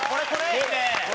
いいね！